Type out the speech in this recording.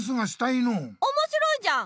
おもしろいじゃん。